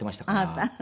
あなた？